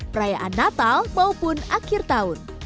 perayaan natal maupun akhir tahun